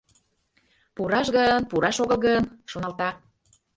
Пураш гын, пураш огыл гын?» — шоналта.